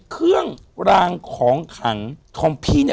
เครื่องรางของขังของพี่